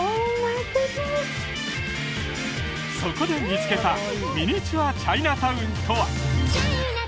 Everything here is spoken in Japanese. そこで見つけたミニチュアチャイナタウンとは？